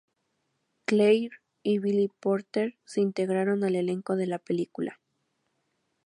Clair y Billy Porter se integraron al elenco de la película.